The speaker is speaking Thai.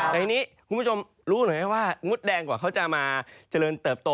ในนี้คุณผู้ชมรู้ไหมว่ามดแดงกว่าเขาจะมาเจริญเติบโต